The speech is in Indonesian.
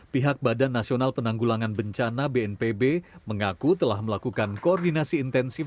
pihak badan nasional penanggulangan bencana bnpb mengaku telah melakukan koordinasi intensif